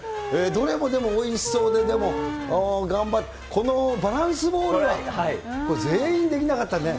どれもでもおいしそうで、このバランスボールは、全員できなかったね。